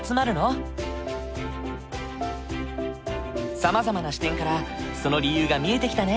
さまざまな視点からその理由が見えてきたね。